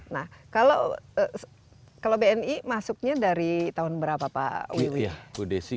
nah kalau bni masuknya dari tahun berapa pak wiwi